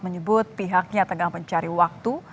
menyebut pihaknya tengah mencari waktu